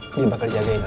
dia bakal jagain lo